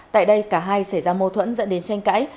tại đây cả hai xảy ra mâu thuẫn dẫn đến tranh cãi